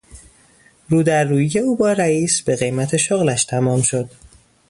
رو در رویی او با رئیس به قیمت شغلش تمام شد.